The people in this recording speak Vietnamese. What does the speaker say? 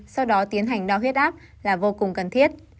sau đó tiến hành đo huyết áp là vô cùng cần thiết